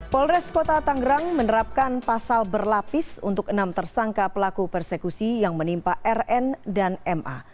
polres kota tanggerang menerapkan pasal berlapis untuk enam tersangka pelaku persekusi yang menimpa rn dan ma